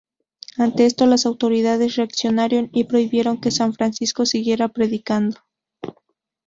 Ante esto, las autoridades reaccionaron y prohibieron que San Francisco siguiera predicando.